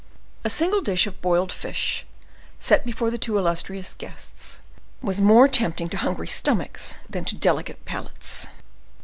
A single dish of boiled fish, set before the two illustrious guests, was more tempting to hungry stomachs than to delicate palates.